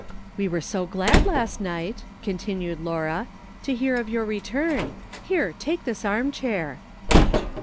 " We were so glad last night," continued Laura, " to hear of your return. Here, take this arm chair."